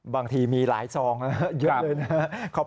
บางทีมีหลายซองนะเยอะเลยนะครับ